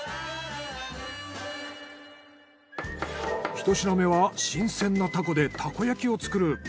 ひと品目は新鮮なタコでたこ焼きを作る。